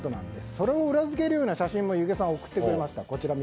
それを裏付けるような写真も弓削さん送ってくれました。